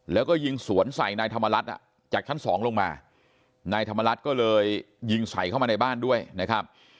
แล้วก็ยิงสวนใส่นายธรรมรัฐจากชั้นสองลงมานายธรรมรัฐก็เลยยิงใส่เข้ามาในบ้านด้วยนะครับ